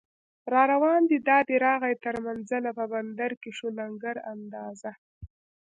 راروان دی دا دی راغی تر منزله، په بندر کې شو لنګر اندازه